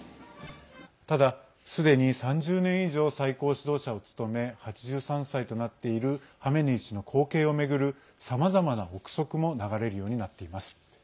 ただ、すでに３０年以上最高指導者を務め８３歳となっているハメネイ師の後継を巡るさまざまな憶測も流れるようになっています。